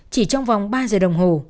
chỉ trong vòng ba giờ đồng hồ